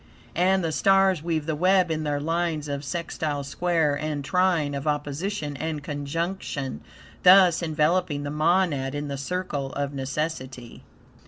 And the stars weave the web in their lines of sextile, square and trine, of opposition and conjunction, thus enveloping the monad in the Circle of Necessity.